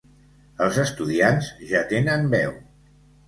Els estudiants ja tenen veu.